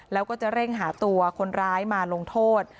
แล้วก็จะเร่งหาตัวคนร้ายมาลงโทษ